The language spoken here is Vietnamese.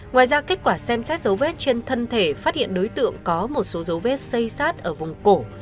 ngoài ra kết quả xem xét dấu vết trên thân thể phát hiện đối tượng có một số dấu vết xây sát ở vùng cổ